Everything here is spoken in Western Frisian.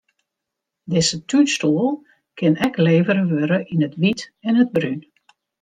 Dizze túnstoel kin ek levere wurde yn it wyt en it brún.